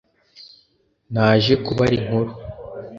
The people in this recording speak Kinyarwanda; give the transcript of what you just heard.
naje kubara inkuru